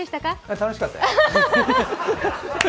楽しかったよ。